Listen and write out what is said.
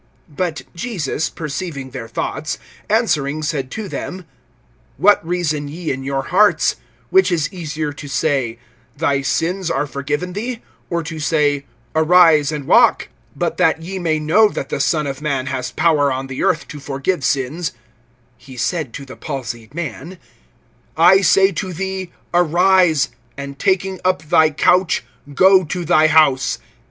(22)But Jesus, perceiving their thoughts, answering said to them: What reason ye in your hearts? (23)Which is easier, to say, Thy sins are forgiven thee; or to say, Arise and walk? (24)But that ye may know that the Son of man has power on the earth to forgive sins, (he said to the palsied man,) I say to thee, arise, and taking up thy couch go to thy house.